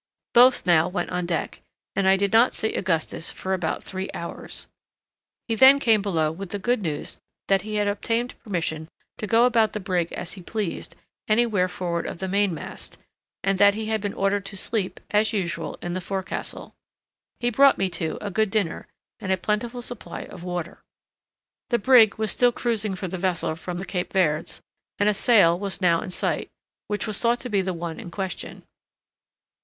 Both now went on deck, and I did not see Augustus for about three hours. He then came below with the good news that he had obtained permission to go about the brig as he pleased anywhere forward of the mainmast, and that he had been ordered to sleep, as usual, in the forecastle. He brought me, too, a good dinner, and a plentiful supply of water. The brig was still cruising for the vessel from the Cape Verds, and a sail was now in sight, which was thought to be the one in question.